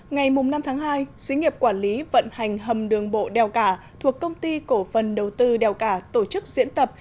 ngày năm tháng hai xí nghiệp quản lý vận hành hầm đường bộ đèo cả thuộc công ty cổ phần đầu tư đèo cả tổ chức diễn tập